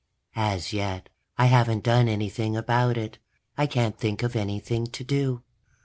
As yet, I haven't done anything about it; I can't think of anything to do.